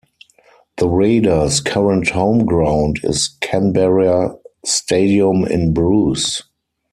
The Raiders' current home ground is Canberra Stadium in Bruce.